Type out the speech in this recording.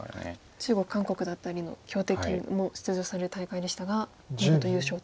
中国韓国だったりの強敵も出場される大会でしたが見事優勝と。